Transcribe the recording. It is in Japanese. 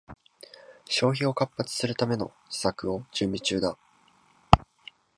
消費を活発にするための施策を準備中だ